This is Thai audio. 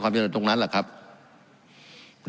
การปรับปรุงทางพื้นฐานสนามบิน